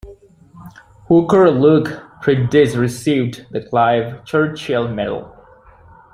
Hooker Luke Priddis received the Clive Churchill Medal.